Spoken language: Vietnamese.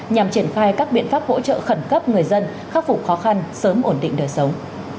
nhằm triển khai các biện pháp hỗ trợ khẩn cấp người dân khắc phục khó khăn sớm ổn định đời sống